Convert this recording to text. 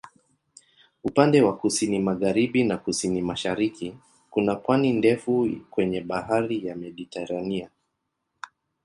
Upande wa kusini-magharibi na kusini-mashariki kuna pwani ndefu kwenye Bahari ya Mediteranea.